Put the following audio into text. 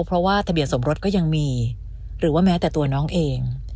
เพราะว่าทะเบียนสมรสก็ยังมีหรือว่าแม้แต่ตัวน้องเอง